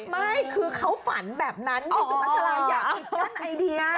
ไม่คือเขาฝันแบบนั้นมีคุณปัชฌาลายะอีกกันไอเดีย